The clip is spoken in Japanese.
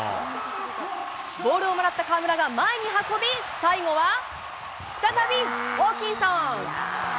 ボールをもらった河村が前に運び、最後は再びホーキンソン。